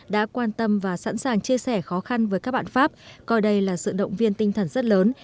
đã quan tâm và sẵn sàng chia sẻ khó khăn với các bạn pháp coi đây là sự động viên tinh thần rất lớn